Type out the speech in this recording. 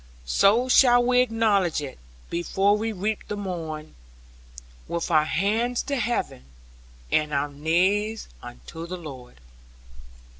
So shall we acknowledge it, before we reap the morn, With our hands to heaven, and our knees unto the Lord.